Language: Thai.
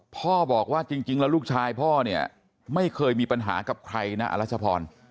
พ่อบอกว่าจริงแล้วลูกชายพ่อเนี่ยไม่เคยมีปัญหากับใครนะอรัชพร